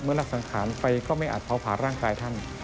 รักสังขารไปก็ไม่อาจเผาผ่าร่างกายท่าน